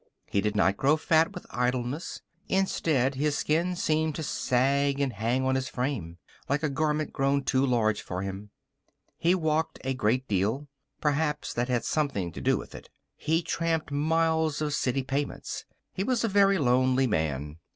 He did not grow fat from idleness. Instead his skin seemed to sag and hang on his frame, like a garment grown too large for him. He walked a great deal. Perhaps that had something to do with it. He tramped miles of city pavements. He was a very lonely man.